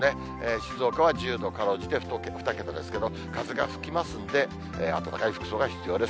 静岡は１０度、かろうじて２桁ですけど、風が吹きますんで、暖かい服装が必要です。